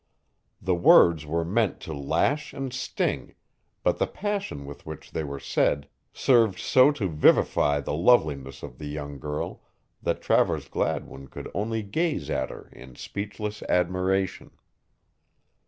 The words were meant to lash and sting, but the passion with which they were said served so to vivify the loveliness of the young girl that Travers Gladwin could only gaze at her in speechless admiration.